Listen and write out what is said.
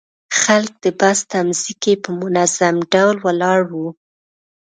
خلک د بس تمځي کې په منظم ډول ولاړ وو.